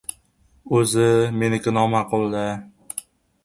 "O‘zi, meniki noma’qul-da!